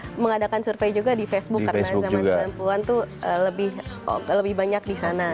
saya mengadakan survei juga di facebook karena zaman sembilan puluh an tuh lebih banyak di sana